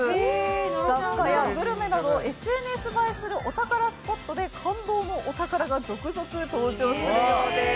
雑貨やグルメなどＳＮＳ映えするお宝スポットで感動のお宝が続々登場するそうです。